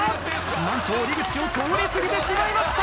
何と降り口を通り過ぎてしまいました。